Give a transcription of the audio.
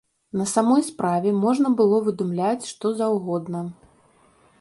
На самой справе можна было выдумляць, што заўгодна.